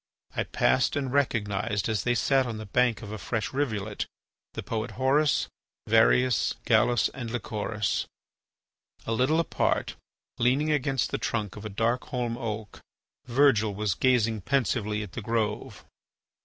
I passed and recognised, as they sat on the bank of a fresh rivulet, the poet Horace, Varius, Gallus, and Lycoris. A little apart, leaning against the trunk of a dark holm oak, Virgil was gazing pensively at the grove.